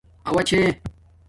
اوݳ چھݺ .